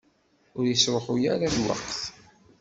Ur isṛuḥay ara lweqt.